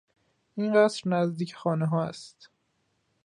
این قصر نزدیک خانه ها است.